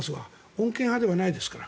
穏健派ではないですから。